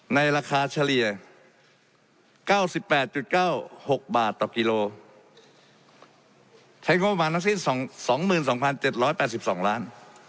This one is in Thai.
ในราคาเฉลี่ย๙๘๙๖บาทต่อกิโลใช้งบประมาณทั้งสิ้น๒๒๗๘๒ล้าน